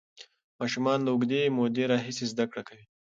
ماشومان له اوږدې مودې راهیسې زده کړه کوي.